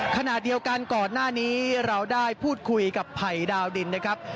ขณะเดียวกันก่อนหน้านี้เราได้พูดคุยกับภัยดาวดินนะครับ